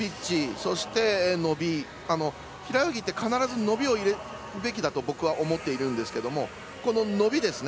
そして伸び、平泳ぎは必ず伸びを入れるべきだと僕は思っているんですけれどもこの伸びですね。